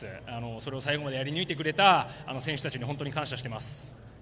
それを最後までやり抜いてくれた選手たちに本当に感謝しています。